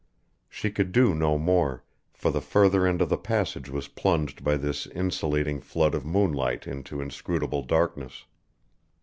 She could do no more, for the further end of the passage was plunged by this insulating flood of moonlight into inscrutable darkness.